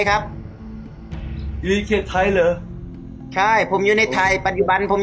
ครับอยู่ในเขตไทยเหรอใช่ผมอยู่ในไทยปฏิบันผม